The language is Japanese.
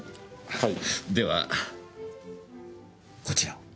はい。